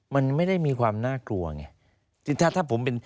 มันไม่ได้มีความน่ากลัวไง